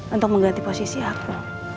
untuk mengganti posisi aku